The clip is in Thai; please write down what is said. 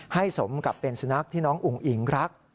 สมกับเป็นสุนัขที่น้องอุ๋งอิ๋งรัก